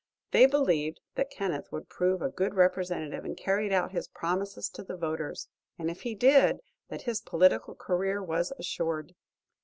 They believed that Kenneth would prove a good Representative and carry out his promises to the voters; and if he did, that his political career was assured.